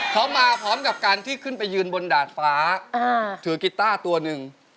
เขามาพร้อมกับการที่ขึ้นไปยืนบนดาดฟ้าถือกีต้าตัวหนึ่ง